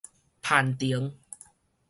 攀登